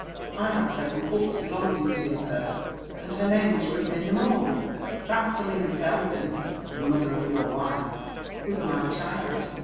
I have several books belonging to her ; and her name was written in them all." .^<• That Selina Seldon, the mother of your wife, was my child.